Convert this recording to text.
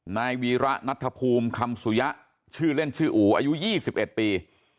นายวีระนัทภูมิคำสุยะชื่อเล่นชื่ออูอายุ๒๑ปี